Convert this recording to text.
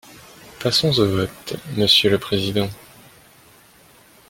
Passons au vote, monsieur le président